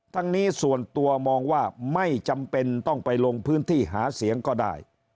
ทั้งนี้ส่วนตัวมองว่าไม่จำเป็นต้องไปลงพื้นที่หาเสียงก็ได้